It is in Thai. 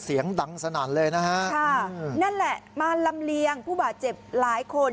เสียงดังสนั่นเลยนะฮะค่ะนั่นแหละมาลำเลียงผู้บาดเจ็บหลายคน